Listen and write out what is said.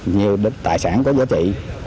nhiều đất tài sản có giá trị